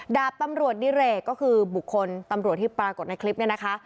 ดาบตำรวจดิเรกก็คือบุคคลตำรวจที่ปรากฏในคลิปนี้นะคะ